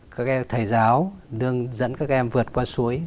các thầy giáo nương dẫn các em vượt qua suối